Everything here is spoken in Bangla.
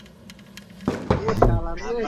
আসুন, আমরা সকলে মানুষ হই।